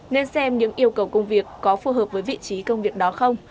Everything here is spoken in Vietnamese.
nên xem những yêu cầu công việc có phù hợp với vị trí công việc đó không